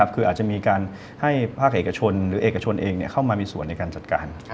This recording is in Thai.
คืออาจจะมีการให้ภาคเอกชนหรือเอกชนเองเข้ามามีส่วนในการจัดการ